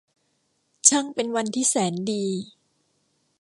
ช่างเป็นวันที่แสนดี !